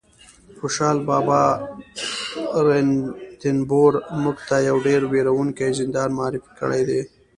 خوشحال بابا رنتنبور موږ ته یو ډېر وېروونکی زندان معرفي کړی دی